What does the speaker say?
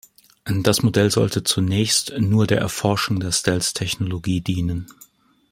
Das Modell sollte zunächst nur der Erforschung der Stealth-Technologie dienen.